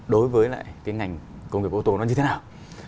đối với lại cái ngành công nghiệp ô tô nó như thế nào